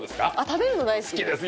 食べるの大好きです。